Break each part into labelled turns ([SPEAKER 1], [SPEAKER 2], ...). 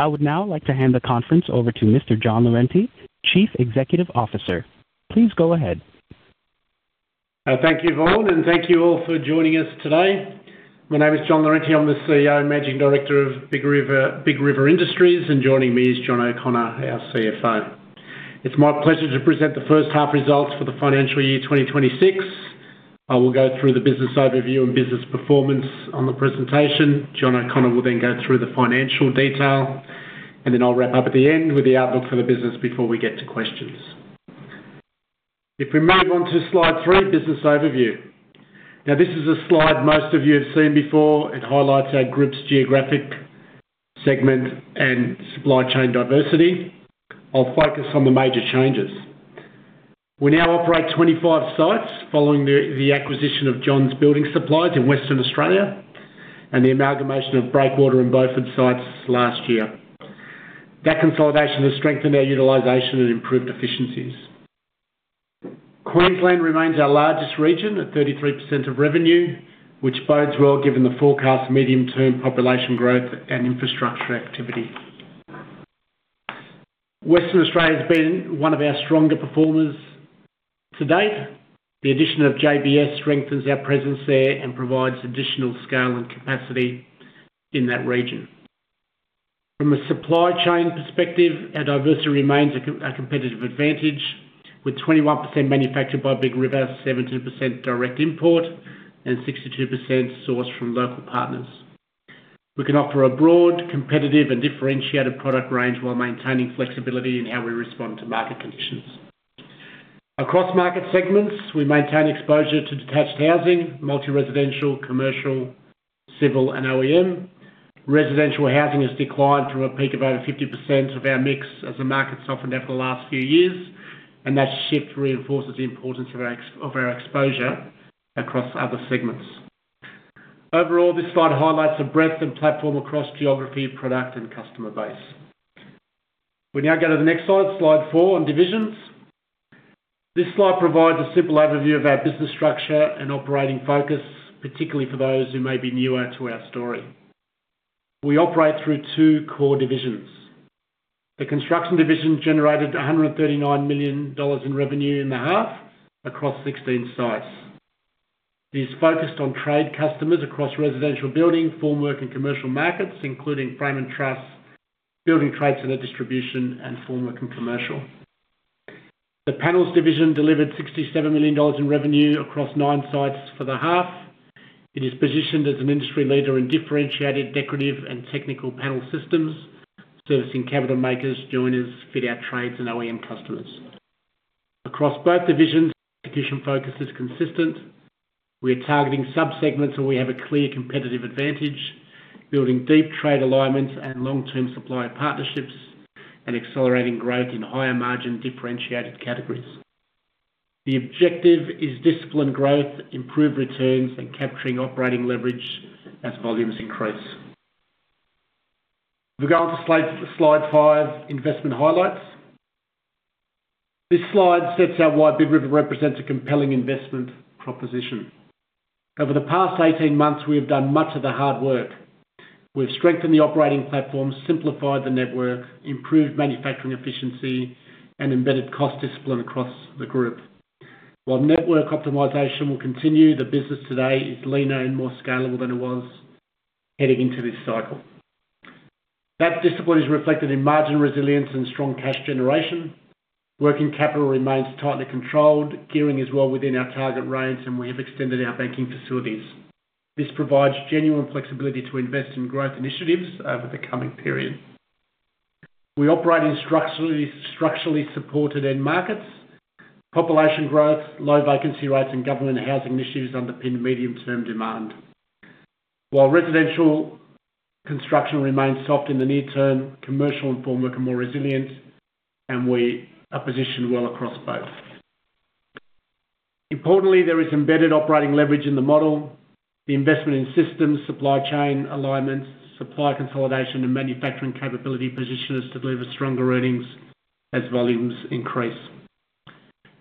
[SPEAKER 1] I would now like to hand the conference over to Mr. John Lorente, Chief Executive Officer. Please go ahead.
[SPEAKER 2] Thank you, Vaughn, and thank you all for joining us today. My name is John Lorente. I'm the CEO and Managing Director of Big River, Big River Industries, and joining me is John O'Connor, our CFO. It's my pleasure to present the first half results for FY 2026. I will go through the business overview and business performance on the presentation. John O'Connor will go through the financial detail, I'll wrap up at the end with the outlook for the business before we get to questions. If we move on to slide three, business overview. This is a slide most of you have seen before. It highlights our group's geographic segment and supply chain diversity. I'll focus on the major changes. We now operate 25 sites, following the acquisition of Johns Building Supplies in Western Australia, and the amalgamation of Breakwater and Beaufort sites last year. That consolidation has strengthened our utilization and improved efficiencies. Queensland remains our largest region, at 33% of revenue, which bodes well given the forecast medium-term population growth and infrastructure activity. Western Australia has been one of our stronger performers to date. The addition of JBS strengthens our presence there and provides additional scale and capacity in that region. From a supply chain perspective, our diversity remains a competitive advantage, with 21% manufactured by Big River, 17% direct import, and 62% sourced from local partners. We can offer a broad, competitive, and differentiated product range while maintaining flexibility in how we respond to market conditions. Across market segments, we maintain exposure to detached housing, multi-residential, commercial, civil, and OEM. Residential housing has declined from a peak of over 50% of our mix as the market softened over the last few years. That shift reinforces the importance of our exposure across other segments. Overall, this slide highlights the breadth and platform across geography, product, and customer base. We now go to the next slide four on divisions. This slide provides a simple overview of our business structure and operating focus, particularly for those who may be newer to our story. We operate through two core divisions. The construction division generated 139 million dollars in revenue in the half across 16 sites. It is focused on trade customers across residential building, formwork and commercial markets, including frame and truss, building trades and their distribution, and formwork and commercial. The panels division delivered 67 million dollars in revenue across nine sites for the half. It is positioned as an industry leader in differentiated decorative and technical panel systems, servicing cabinet makers, joiners, fit out trades, and OEM customers. Across both divisions, execution focus is consistent. We are targeting subsegments, and we have a clear competitive advantage, building deep trade alignments and long-term supplier partnerships, and accelerating growth in higher margin, differentiated categories. The objective is disciplined growth, improved returns, and capturing operating leverage as volumes increase. We go on to slide five, investment highlights. This slide sets out why Big River represents a compelling investment proposition. Over the past 18 months, we have done much of the hard work. We've strengthened the operating platform, simplified the network, improved manufacturing efficiency, and embedded cost discipline across the group. While network optimization will continue, the business today is leaner and more scalable than it was heading into this cycle. That discipline is reflected in margin resilience and strong cash generation. Working capital remains tightly controlled, gearing is well within our target range, and we have extended our banking facilities. This provides genuine flexibility to invest in growth initiatives over the coming period. We operate in structurally supported end markets. Population growth, low vacancy rates, and government housing initiatives underpin medium-term demand. While residential construction remains soft in the near term, commercial and formwork are more resilient, and we are positioned well across both. There is embedded operating leverage in the model. The investment in systems, supply chain alignment, supplier consolidation, and manufacturing capability position us to deliver stronger earnings as volumes increase.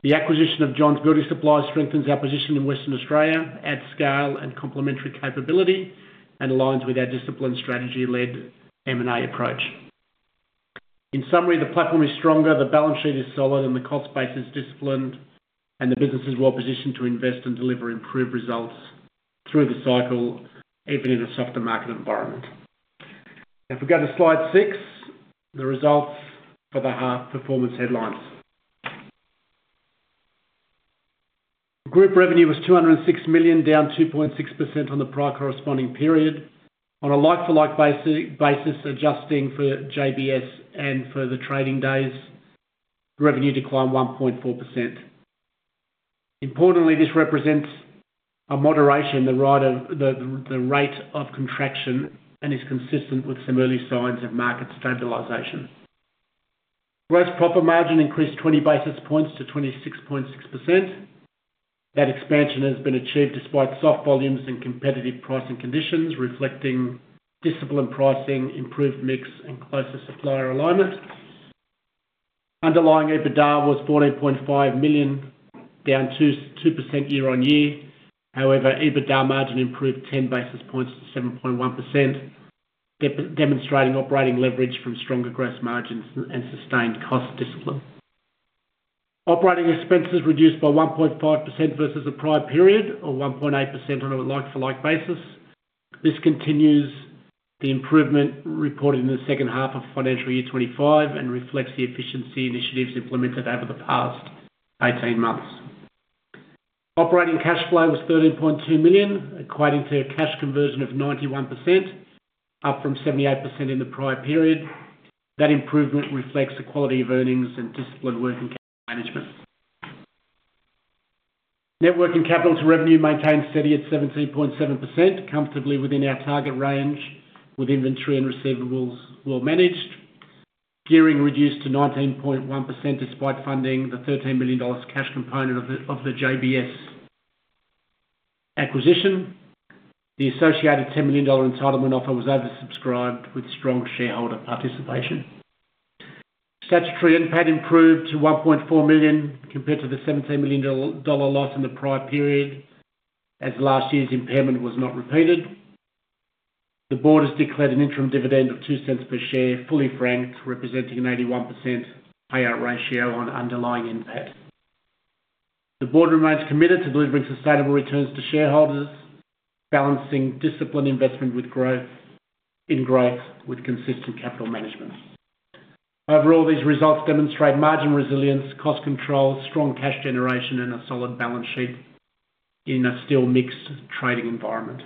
[SPEAKER 2] The acquisition of Johns Building Supplies strengthens our position in Western Australia, adds scale and complementary capability, and aligns with our disciplined strategy-led M&A approach. In summary, the platform is stronger, the balance sheet is solid, and the cost base is disciplined, and the business is well positioned to invest and deliver improved results through the cycle, even in a softer market environment. If we go to slide six, the results for the half performance headlines. Group revenue was 206 million, down 2.6% on the prior corresponding period. On a like-for-like basis, adjusting for JBS and for the trading days, revenue declined 1.4%. Importantly, this represents a moderation, the rate of contraction, and is consistent with some early signs of market stabilization. Gross profit margin increased 20 basis points to 26.6%. That expansion has been achieved despite soft volumes and competitive pricing conditions, reflecting disciplined pricing, improved mix, and closer supplier alignment. Underlying EBITDA was 14.5 million, down 2% year-on-year. EBITDA margin improved 10 basis points to 7.1%, demonstrating operating leverage from stronger gross margins and sustained cost discipline. Operating expenses reduced by 1.5% versus the prior period, or 1.8% on a like-for-like basis. This continues the improvement reported in the second half of FY 2025 and reflects the efficiency initiatives implemented over the past 18 months. Operating cash flow was 13.2 million, equating to a cash conversion of 91%, up from 78% in the prior period. That improvement reflects the quality of earnings and disciplined working capital management. Network and capital to revenue maintained steady at 17.7%, comfortably within our target range, with inventory and receivables well managed. Gearing reduced to 19.1%, despite funding the 13 million dollars cash component of the JBS acquisition. The associated 10 million dollar entitlement offer was oversubscribed with strong shareholder participation. Statutory NPAT improved to 1.4 million, compared to the 17 million dollar loss in the prior period, as last year's impairment was not repeated. The board has declared an interim dividend of 0.02 per share, fully franked, representing an 81% payout ratio on underlying NPAT. The board remains committed to delivering sustainable returns to shareholders, balancing disciplined investment in growth, with consistent capital management. These results demonstrate margin resilience, cost control, strong cash generation, and a solid balance sheet in a still mixed trading environment.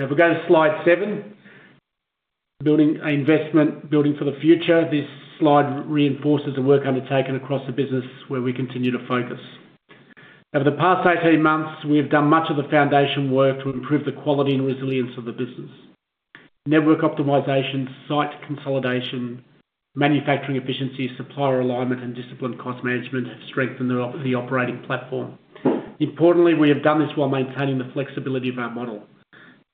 [SPEAKER 2] If we go to slide seven, building investment, building for the future. This slide reinforces the work undertaken across the business where we continue to focus. Over the past 18 months, we have done much of the foundation work to improve the quality and resilience of the business. Network optimization, site consolidation, manufacturing efficiency, supplier alignment, and disciplined cost management have strengthened the operating platform. Importantly, we have done this while maintaining the flexibility of our model.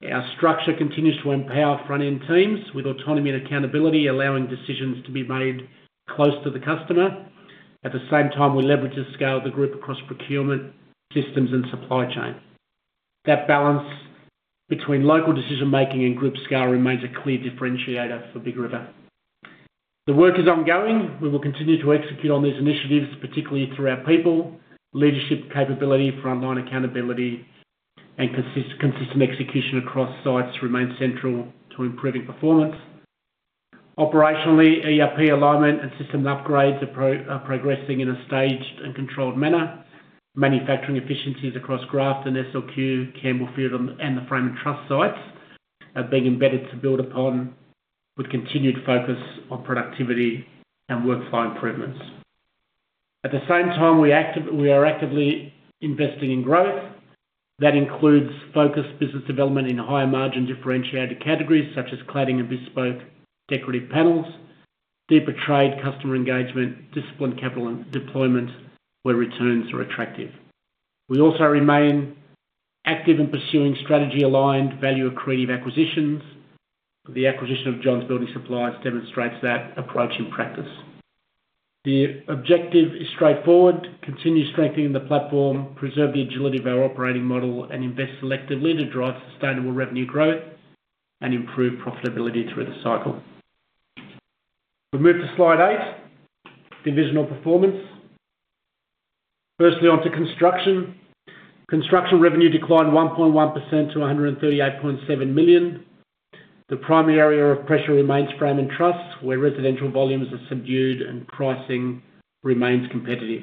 [SPEAKER 2] Our structure continues to empower front-end teams with autonomy and accountability, allowing decisions to be made close to the customer. At the same time, we leverage the scale of the group across procurement, systems, and supply chain. That balance between local decision-making and group scale remains a clear differentiator for Big River. The work is ongoing. We will continue to execute on these initiatives, particularly through our people. Leadership capability, frontline accountability, and consistent execution across sites remain central to improving performance. Operationally, ERP alignment and system upgrades are progressing in a staged and controlled manner. Manufacturing efficiencies across Grafton, SLQ, Campbellfield, and the frame and truss sites are being embedded to build upon with continued focus on productivity and workflow improvements. At the same time, we are actively investing in growth. That includes focused business development in higher margin, differentiated categories such as cladding and bespoke decorative panels, deeper trade, customer engagement, disciplined capital and deployment where returns are attractive. We also remain active in pursuing strategy-aligned, value-accretive acquisitions. The acquisition of Johns Building Supplies demonstrates that approach in practice. The objective is straightforward: continue strengthening the platform, preserve the agility of our operating model, and invest selectively to drive sustainable revenue growth and improve profitability through the cycle. We move to slide eight, divisional performance. Firstly, onto construction. Construction revenue declined 1.1% to 138.7 million. The primary area of pressure remains frame and truss, where residential volumes are subdued and pricing remains competitive.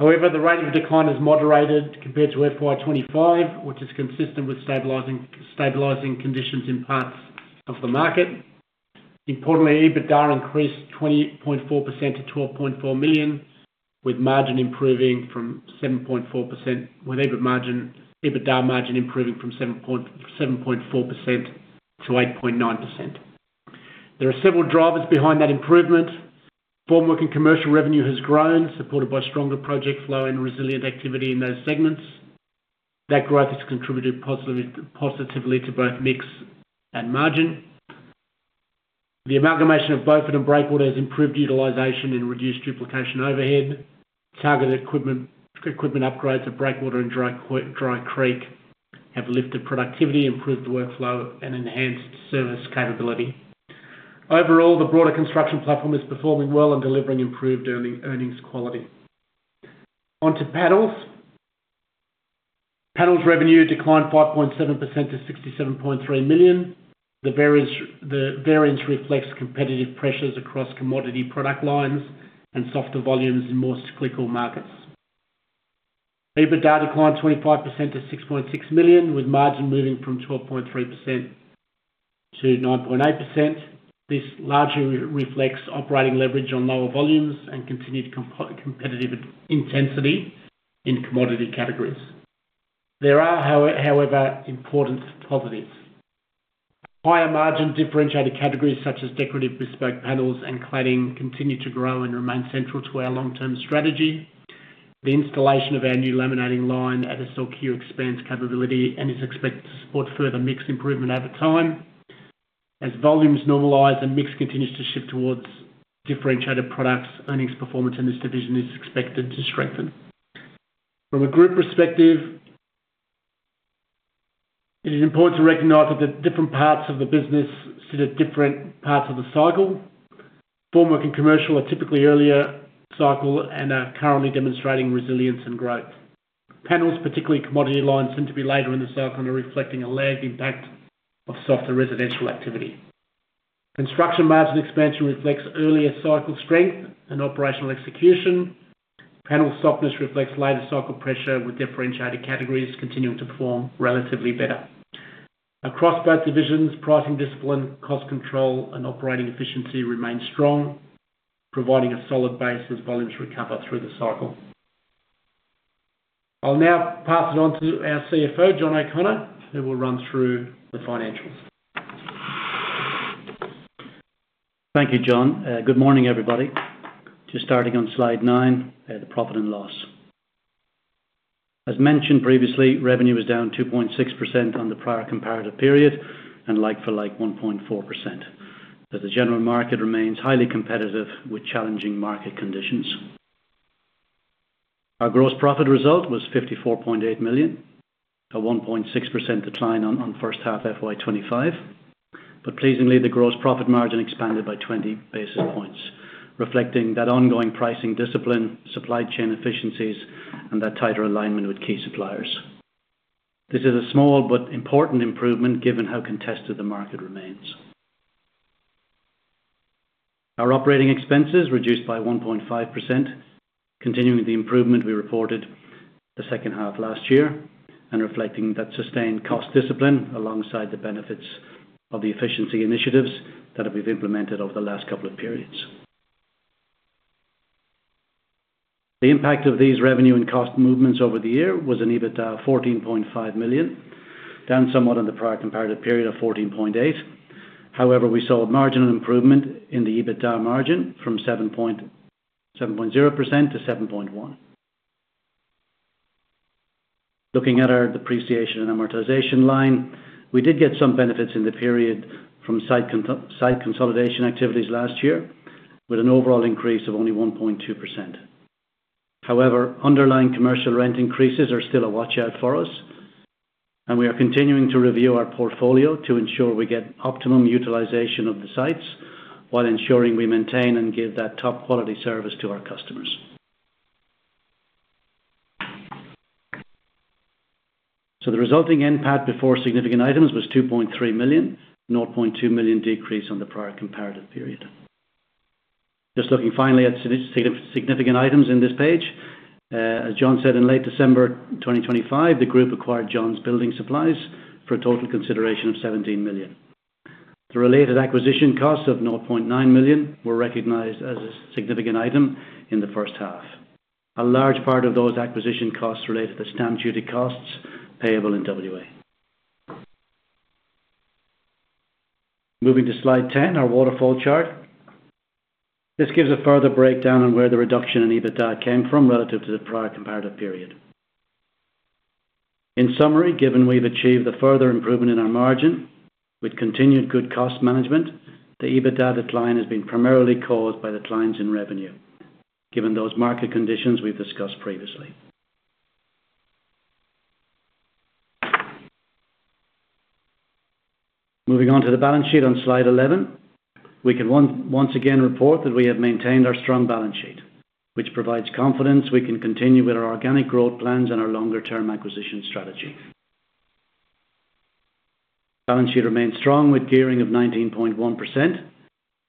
[SPEAKER 2] The rate of decline has moderated compared to FY 2025, which is consistent with stabilizing conditions in parts of the market. Importantly, EBITDA increased 20.4% to 12.4 million, with margin improving from 7.4%, with EBITDA margin improving from 7.4%-8.9%. There are several drivers behind that improvement. Formwork and commercial revenue has grown, supported by stronger project flow and resilient activity in those segments. That growth has contributed positively to both mix and margin. The amalgamation of Beaufort and Breakwater has improved utilization and reduced duplication overhead. Targeted equipment upgrades at Breakwater and Dry Creek have lifted productivity, improved workflow, and enhanced service capability. Overall, the broader construction platform is performing well and delivering improved earnings quality. Onto panels. Panels revenue declined 5.7% to 67.3 million. The variance reflects competitive pressures across commodity product lines and softer volumes in more cyclical markets. EBITDA declined 25% to 6.6 million, with margin moving from 12.3%-9.8%. This largely reflects operating leverage on lower volumes and continued competitive intensity in commodity categories. There are, however, important positives. Higher margin differentiated categories such as decorative bespoke panels and cladding, continue to grow and remain central to our long-term strategy. The installation of our new laminating line at the SLQ expands capability and is expected to support further mix improvement over time. As volumes normalize and mix continues to shift towards differentiated products, earnings performance in this division is expected to strengthen. From a group perspective, it is important to recognize that the different parts of the business sit at different parts of the cycle. Formwork and commercial are typically earlier cycle and are currently demonstrating resilience and growth. Panels, particularly commodity lines, seem to be later in the cycle and are reflecting a lagged impact of softer residential activity. Construction margin expansion reflects earlier cycle strength and operational execution. Panel softness reflects later cycle pressure, with differentiated categories continuing to perform relatively better. Across both divisions, pricing discipline, cost control, and operating efficiency remain strong, providing a solid base as volumes recover through the cycle. I'll now pass it on to our CFO, John O'Connor, who will run through the financials.
[SPEAKER 3] Thank you, John. Good morning, everybody. Just starting on slide nine, the profit and loss. As mentioned previously, revenue was down 2.6% on the prior comparative period, and like-for-like, 1.4%, as the general market remains highly competitive with challenging market conditions. Our gross profit result was 54.8 million, a 1.6% decline on first half FY 2025. Pleasingly, the gross profit margin expanded by 20 basis points, reflecting that ongoing pricing discipline, supply chain efficiencies, and that tighter alignment with key suppliers. This is a small but important improvement, given how contested the market remains. Our operating expenses reduced by 1.5%, continuing the improvement we reported the second half last year and reflecting that sustained cost discipline, alongside the benefits of the efficiency initiatives that have been implemented over the last couple of periods. The impact of these revenue and cost movements over the year was an EBITDA of 14.5 million, down somewhat on the prior comparative period of 14.8 million. We saw a marginal improvement in the EBITDA margin from 7.0%-7.1%. Looking at our depreciation and amortization line, we did get some benefits in the period from site consolidation activities last year, with an overall increase of only 1.2%. However, underlying commercial rent increases are still a watch-out for us, and we are continuing to review our portfolio to ensure we get optimum utilization of the sites, while ensuring we maintain and give that top-quality service to our customers. The resulting NPAT before significant items was 2.3 million, 0.2 million decrease on the prior comparative period. Just looking finally at significant items in this page. As John said, in late December 2025, the group acquired Johns Building Supplies for a total consideration of 17 million. The related acquisition costs of 0.9 million were recognized as a significant item in the first half. A large part of those acquisition costs related to stamp duty costs payable in WA. Moving to slide 10, our waterfall chart. This gives a further breakdown on where the reduction in EBITDA came from relative to the prior comparative period. In summary, given we've achieved a further improvement in our margin with continued good cost management, the EBITDA decline has been primarily caused by declines in revenue, given those market conditions we've discussed previously. Moving on to the balance sheet on slide 11. We can once again report that we have maintained our strong balance sheet, which provides confidence we can continue with our organic growth plans and our longer-term acquisition strategy. Balance sheet remains strong, with gearing of 19.1%,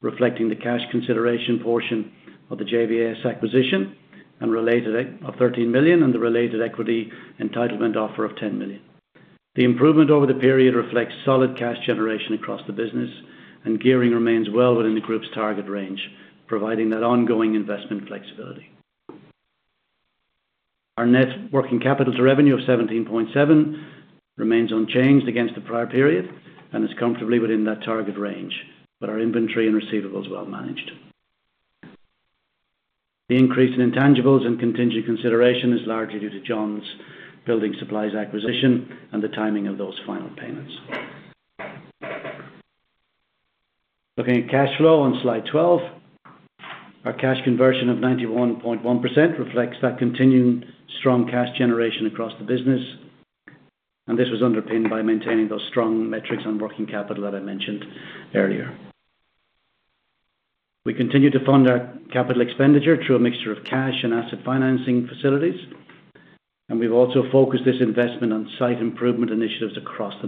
[SPEAKER 3] reflecting the cash consideration portion of the JBS acquisition and related, of 13 million and the related equity entitlement offer of 10 million. The improvement over the period reflects solid cash generation across the business, gearing remains well within the group's target range, providing that ongoing investment flexibility. Our net working capital to revenue of 17.7 remains unchanged against the prior period and is comfortably within that target range, with our inventory and receivables well managed. The increase in intangibles and contingent consideration is largely due to Johns Building Supplies acquisition and the timing of those final payments. Looking at cash flow on slide 12. Our cash conversion of 91.1% reflects that continuing strong cash generation across the business, this was underpinned by maintaining those strong metrics on working capital that I mentioned earlier. We continue to fund our capital expenditure through a mixture of cash and asset financing facilities, we've also focused this investment on site improvement initiatives across the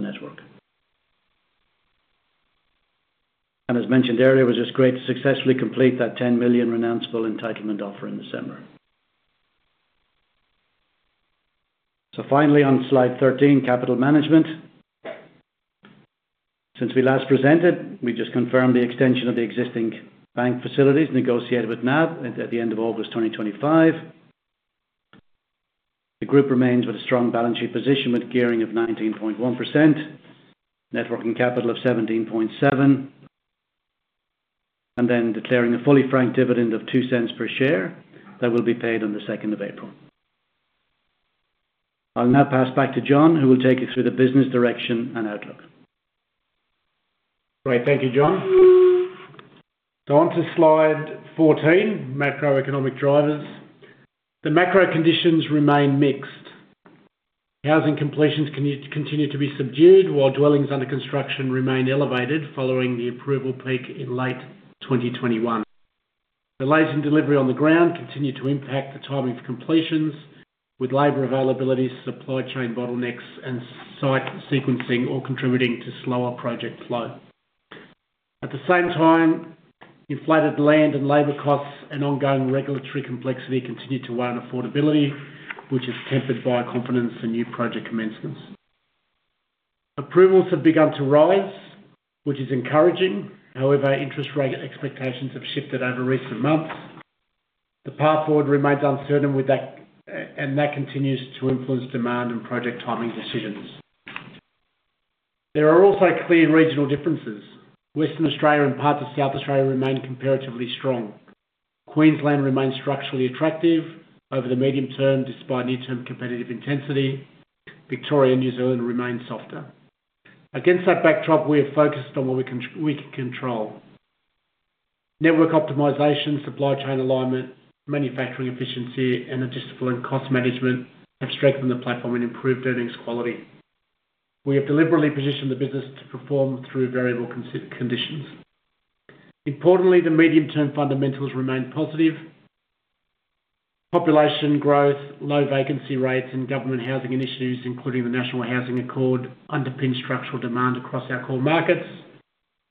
[SPEAKER 3] network. As mentioned earlier, it was just great to successfully complete that 10 million renounceable entitlement offer in December. Finally, on slide 13, capital management. Since we last presented, we just confirmed the extension of the existing bank facilities negotiated with NAB at the end of August 2025. The group remains with a strong balance sheet position, with gearing of 19.1%, net working capital of 17.7. Then declaring a fully frank dividend of 0.02 per share that will be paid on the 2nd of April. I'll now pass back to John, who will take you through the business direction and outlook.
[SPEAKER 2] Great. Thank you, John. On to slide 14, macroeconomic drivers. The macro conditions remain mixed. Housing completions continue to be subdued, while dwellings under construction remain elevated following the approval peak in late 2021. Delays in delivery on the ground continue to impact the timing of completions, with labor availability, supply chain bottlenecks, and site sequencing all contributing to slower project flow. At the same time, inflated land and labor costs and ongoing regulatory complexity continue to weigh on affordability, which is tempered by confidence in new project commencements. Approvals have begun to rise, which is encouraging. However, interest rate expectations have shifted over recent months. The path forward remains uncertain with that, and that continues to influence demand and project timing decisions. There are also clear regional differences. Western Australia and parts of South Australia remain comparatively strong. Queensland remains structurally attractive over the medium term, despite near-term competitive intensity. Victoria and New Zealand remain softer. Against that backdrop, we are focused on what we can control. Network optimization, supply chain alignment, manufacturing efficiency, and logistical and cost management have strengthened the platform and improved earnings quality. We have deliberately positioned the business to perform through variable conditions. Importantly, the medium-term fundamentals remain positive. Population growth, low vacancy rates, and government housing initiatives, including the National Housing Accord, underpin structural demand across our core markets.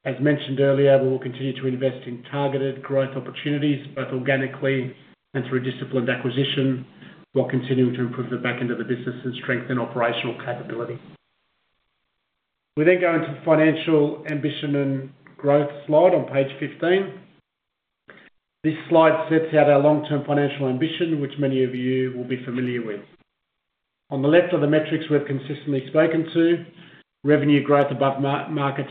[SPEAKER 2] As mentioned earlier, we will continue to invest in targeted growth opportunities, both organically and through disciplined acquisition, while continuing to improve the back end of the business and strengthen operational capability. We go into the financial ambition and growth slide on page 15. This slide sets out our long-term financial ambition, which many of you will be familiar with. On the left are the metrics we've consistently spoken to: revenue growth above market,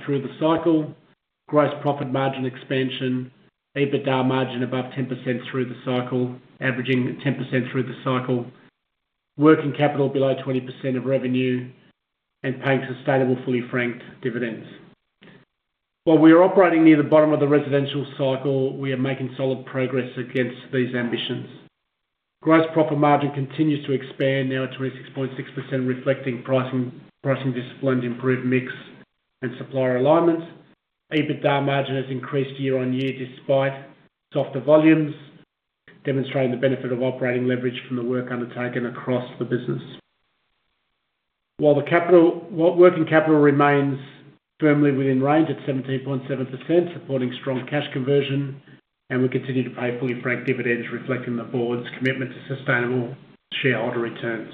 [SPEAKER 2] gross profit margin expansion, EBITDA margin above 10% averaging 10% through the cycle, working capital below 20% of revenue, and paying sustainable, fully franked dividends. While we are operating near the bottom of the residential cycle, we are making solid progress against these ambitions. Gross profit margin continues to expand, now at 26.6%, reflecting pricing discipline, improved mix, and supplier alignment. EBITDA margin has increased year-over-year despite softer volumes, demonstrating the benefit of operating leverage from the work undertaken across the business. While working capital remains firmly within range at 17.7%, supporting strong cash conversion, and we continue to pay fully franked dividends, reflecting the board's commitment to sustainable shareholder returns.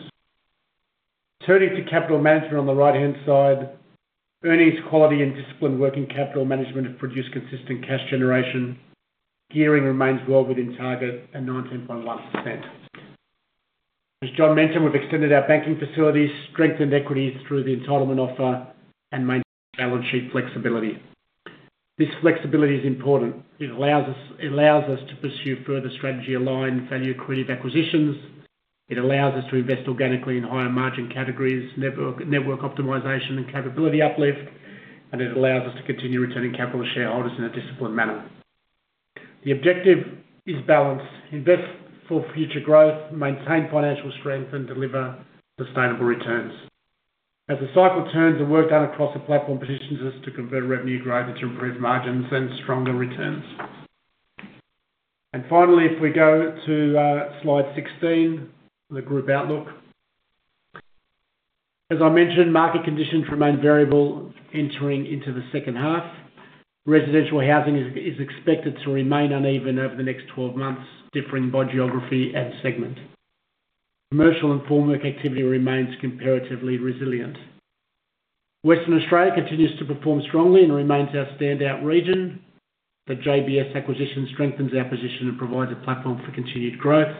[SPEAKER 2] Turning to capital management on the right-hand side, earnings, quality, and disciplined working capital management have produced consistent cash generation. Gearing remains well within target at 19.1%. As John mentioned, we've extended our banking facilities, strengthened equities through the entitlement offer, and maintained balance sheet flexibility. This flexibility is important. It allows us to pursue further strategy, align value-accretive acquisitions, it allows us to invest organically in higher-margin categories, network optimization, and capability uplift, and it allows us to continue returning capital to shareholders in a disciplined manner. The objective is balance, invest for future growth, maintain financial strength, and deliver sustainable returns. As the cycle turns, the work done across the platform positions us to convert revenue growth into improved margins and stronger returns. Finally, if we go to slide 16, the Group outlook. As I mentioned, market conditions remain variable entering into the second half. Residential housing is expected to remain uneven over the next 12 months, differing by geography and segment. Commercial and formwork activity remains comparatively resilient. Western Australia continues to perform strongly and remains our standout region. The JBS acquisition strengthens our position and provides a platform for continued growth.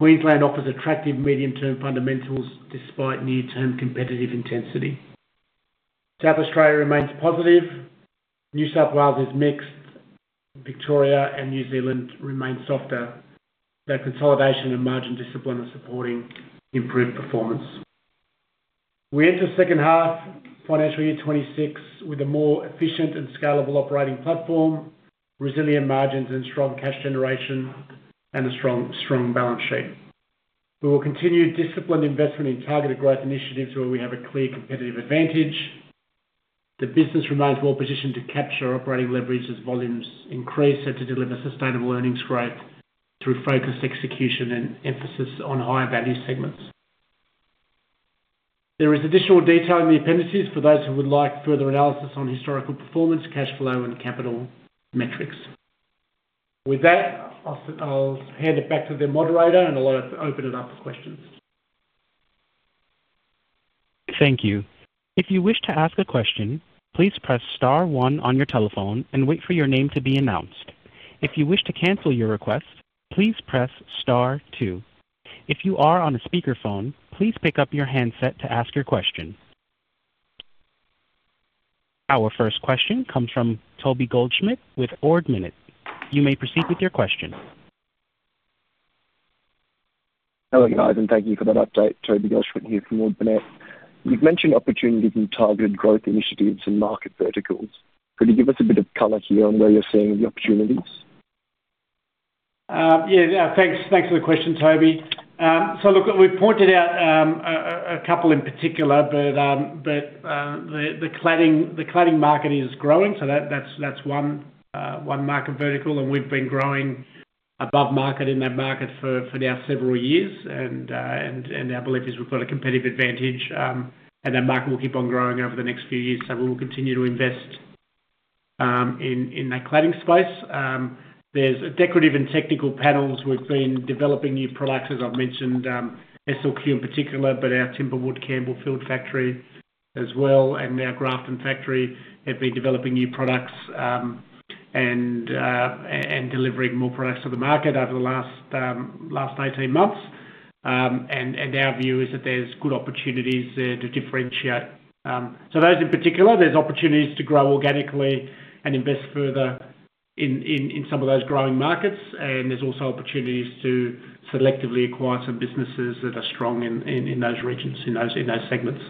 [SPEAKER 2] Queensland offers attractive medium-term fundamentals despite near-term competitive intensity. South Australia remains positive. New South Wales is mixed. Victoria and New Zealand remain softer. Their consolidation and margin discipline are supporting improved performance. We enter second half financial year 2026 with a more efficient and scalable operating platform, resilient margins and strong cash generation, and a strong balance sheet. We will continue disciplined investment in targeted growth initiatives where we have a clear competitive advantage. The business remains well positioned to capture operating leverage as volumes increase, and to deliver sustainable earnings growth through focused execution and emphasis on higher value segments. There is additional detail in the appendices for those who would like further analysis on historical performance, cash flow, and capital metrics. With that, I'll hand it back to the moderator, and I'll let us open it up for questions.
[SPEAKER 1] Thank you. If you wish to ask a question, please press star one on your telephone and wait for your name to be announced. If you wish to cancel your request, please press star two. If you are on a speakerphone, please pick up your handset to ask your question. Our first question comes from Toby Goldschmidt with Ord Minnett. You may proceed with your question.
[SPEAKER 4] Hello, guys, thank you for that update. Toby Goldschmidt here from Ord Minnett. You've mentioned opportunities in targeted growth initiatives and market verticals. Could you give us a bit of color here on where you're seeing the opportunities?
[SPEAKER 2] Yeah. Yeah, thanks. Thanks for the question, Toby. Look, we've pointed out a couple in particular, but the cladding market is growing, so that's one market vertical, and we've been growing above market in that market for now several years. Our belief is we've got a competitive advantage, and that market will keep on growing over the next few years. We will continue to invest in that cladding space. There's decorative and technical panels. We've been developing new products, as I've mentioned, SLQ in particular, but our Timberwood Campbellfield factory as well, and our Grafton factory have been developing new products and delivering more products to the market over the last 18 months. Our view is that there's good opportunities there to differentiate. Those in particular, there's opportunities to grow organically and invest further in some of those growing markets, and there's also opportunities to selectively acquire some businesses that are strong in those regions, in those segments.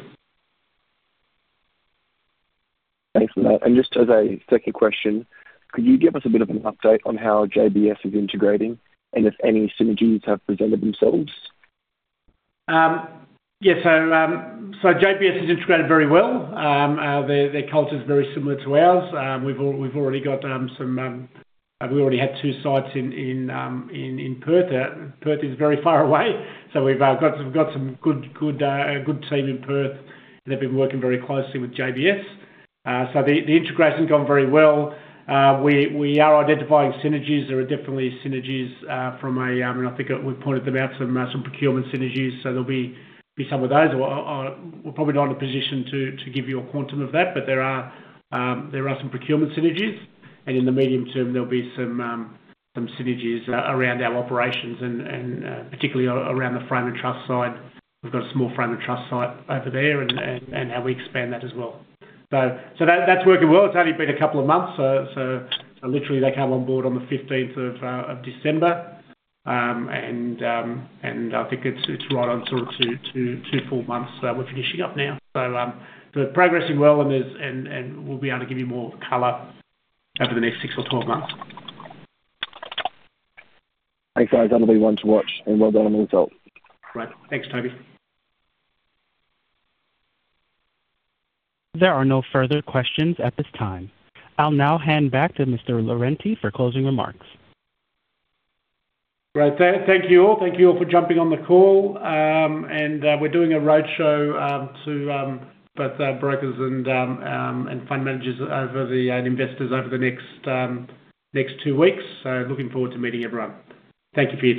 [SPEAKER 4] Just as a second question, could you give us a bit of an update on how JBS is integrating and if any synergies have presented themselves?
[SPEAKER 2] Yes, JBS has integrated very well. Their culture is very similar to ours. We've already got some, we already had two sites in Perth. Perth is very far away, we've got some good team in Perth, and they've been working very closely with JBS. The integration's gone very well. We are identifying synergies. There are definitely synergies, and I think we've pointed them out, some procurement synergies. There'll be some of those. We're probably not in a position to give you a quantum of that, but there are some procurement synergies, and in the medium term, there'll be some synergies around our operations and, particularly around the frame and truss side. We've got a small frame and truss site over there, and how we expand that as well. That's working well. It's only been a couple of months, so literally they came on board on the 15th of December. I think it's right on sort of two full months, so we're finishing up now. Progressing well, and there's, and we'll be able to give you more color over the next six or 12 months.
[SPEAKER 4] Thanks, guys. That'll be one to watch, and well done on the result.
[SPEAKER 2] Great. Thanks, Toby.
[SPEAKER 1] There are no further questions at this time. I'll now hand back to Mr. Lorente for closing remarks.
[SPEAKER 2] Great. Thank you all. Thank you all for jumping on the call. We're doing a roadshow to both brokers and fund managers and investors over the next two weeks, looking forward to meeting everyone. Thank you for your time.